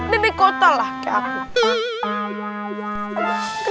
bebek kota lah kayak aku